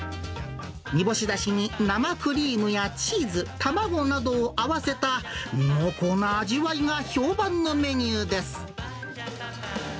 煮干しだしに生クリームやチーズ、卵などを合わせた、濃厚な味わいが評判のメニューです。